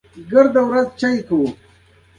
سبزیجات بدن ته ویټامینونه ورکوي.